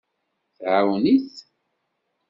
Tɛawen-it.